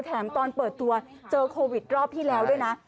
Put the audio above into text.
แถมตอนเปิดตัวเจอโควิดรอบที่แล้วด้วยนะ